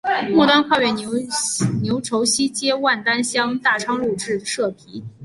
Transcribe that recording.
末端跨越牛稠溪接万丹乡大昌路至社皮。